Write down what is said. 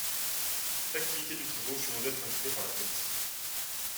Cette activité d'ultra-gauche lui vaut d'être inquiété par la police.